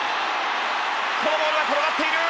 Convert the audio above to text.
このボールは転がっている。